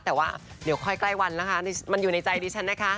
แต่ว่าเดี๋ยวค่อยใกล้วันนะคะมันอยู่ในใจดิฉันนะคะ